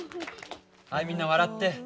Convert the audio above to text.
はいみんな笑って。